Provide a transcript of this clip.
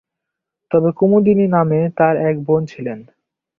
তবে কুমুদিনী নামে তার এক বোন ছিলেন।